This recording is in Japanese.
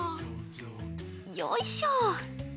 よいしょ。